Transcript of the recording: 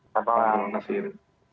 selamat malam terima kasih